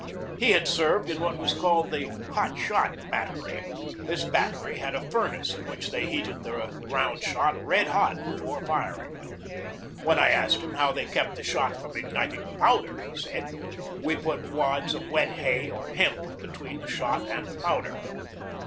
He had served in what was called the "hot shot" bat tery. This battery had a furnace in which they heated their round shot red hot before firing them. When I asked him how they kept the shot from igniting the powder, he said: "We put wads of wet hay or hemp between the shot and the powder."